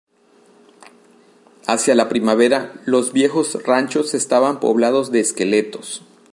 Hacia la primavera, los viejos ranchos estaban poblados de esqueletos.